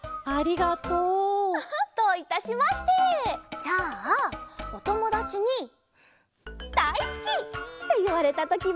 じゃあおともだちに「だいすき」っていわれたときは？